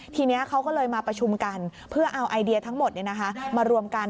ทีนี้เขาก็เลยมาประชุมกันเพื่อเอาไอเดียทั้งหมดมารวมกัน